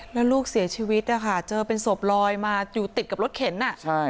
แล้วลูกเสียชีวิตนะคะเจอเป็นศพลอยมาอยู่ติดกับรถเข็นอ่ะใช่